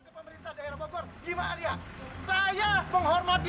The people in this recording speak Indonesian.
saya kan ke pemerintah daerah bogor gimana dia